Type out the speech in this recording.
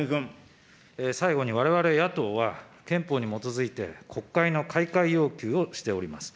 最後にわれわれ野党は、憲法に基づいて、国会の開会要求をしております。